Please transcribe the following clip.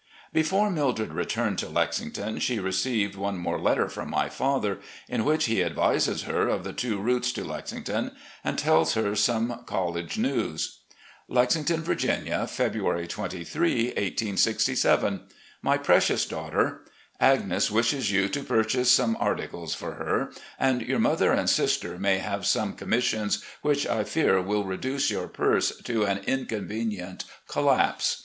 " Before Mildred returned to Lexington she received one more letter from my father, in which he advises her of the two routes to Lexington, and tells her some college news: "Lexington, Virginia, February 23, 1867. "My Precious Daughter: Agnes wishes you to pur chase some articles for her, and your mother and sister may have some commissions, which I fear will reduce your purse to an inconvenient collapse.